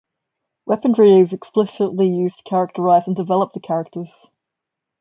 Weaponry is explicitly used to characterize and develop the characters.